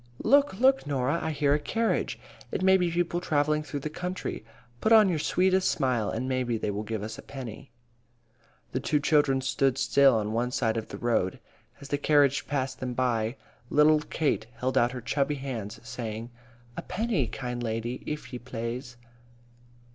"Look, look, Norah! I hear a carriage. It may be people travelling through the country. Put on your sweetest smile and maybe they will give us a penny." The two children stood still on one side of the road. As the carriage passed them, little Kate held out her chubby hands, saying, "A penny, kind lady, if ye plaze."